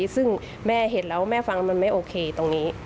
ซึ่งแม่เห็นแล้วแม่ฟังแล้วมันไม่โอเคตรงนี้